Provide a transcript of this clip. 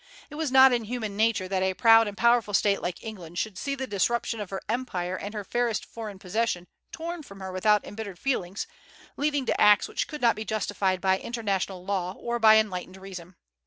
It was not in human nature that a proud and powerful state like England should see the disruption of her empire and her fairest foreign possession torn from her without embittered feelings, leading to acts which could not be justified by international law or by enlightened reason.